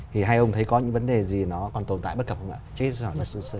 thì hai ông thấy có những vấn đề gì nó còn tồn tại bất cập không ạ